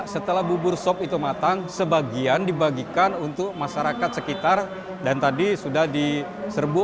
setelah bubur sop itu matang sebagian dibagikan untuk masyarakat sekitar dan tadi sudah diserbu